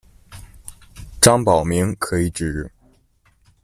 张宝明，可以指：